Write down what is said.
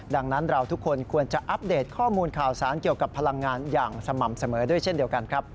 ดังนั้นเราทุกคนควรจะอัปเดตข้อมูลข่าวสารเกี่ยวกับพลังงานอย่างสม่ำเสมอด้วยเช่นเดียวกันครับ